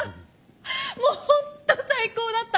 もうホント最高だった！